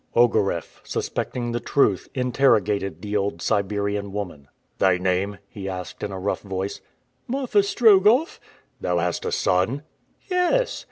Ogareff, suspecting the truth, interrogated the old Siberian woman. "Thy name?" he asked in a rough voice. "Marfa Strogoff." "Thou hast a son?" "Yes."